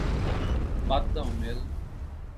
বাদ দাও, মেল।